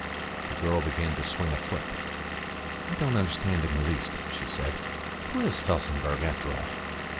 The girl began to swing a foot. "I don't understand in the least," she said. "Who is Felsenburgh, after all?"